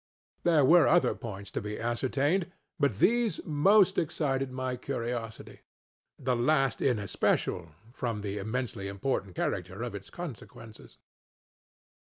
There were other points to be ascertained, but these most excited my curiosityŌĆöthe last in especial, from the immensely important character of its consequences.